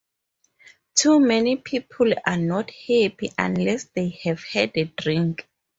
Too many people are not happy unless they have had a drink.